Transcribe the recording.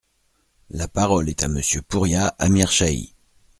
La parole est à Monsieur Pouria Amirshahi.